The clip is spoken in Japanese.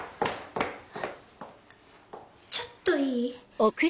ちょっといい？